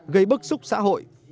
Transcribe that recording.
gây bức xúc xã hội